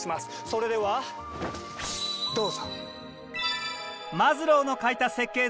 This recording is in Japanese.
それではどうぞ。